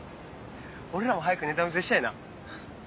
俺らも早くネタ見せしたいな。